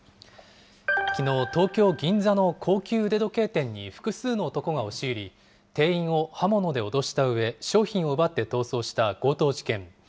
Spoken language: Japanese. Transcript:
きのう、東京・銀座の高級腕時計店に複数の男が押し入り、店員を刃物で脅したうえ、商品を奪って逃走した強盗事件。